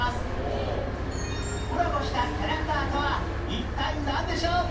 コラボしたキャラクターとは一体なんでしょう？